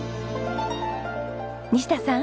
西田さん。